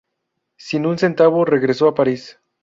Sin un centavo, regresó a París.